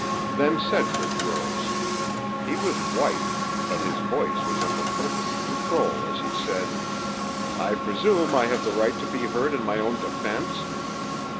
Then Sedgwick rose. He was white; but his voice was under perfect control as he said, "I presume I have the right to be heard in my own defense?"